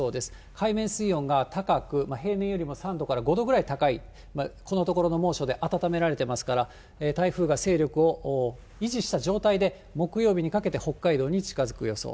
海面水温が高く、平年よりも３度から５度ぐらい高い、このところの猛暑であたためられてますから、台風が勢力を維持した状態で、木曜日にかけて北海道に近づく予想。